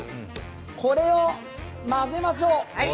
これを混ぜましょう。